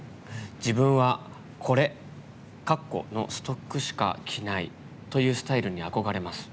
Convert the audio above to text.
自分は、このストックしか着ないという人に憧れます。